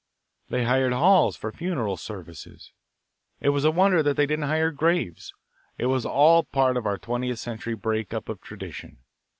They hired halls for funeral services. It was a wonder that they didn't hire graves. It was all part of our twentieth century break up of tradition.